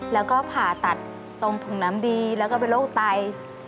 แล้วก็ผ่าตัดตรงถุงน้ำดีแล้วก็เป็นโรคไต